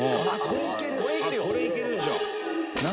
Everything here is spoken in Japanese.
これいけるでしょ。